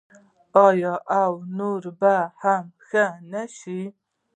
آیا او نور به هم ښه نشي؟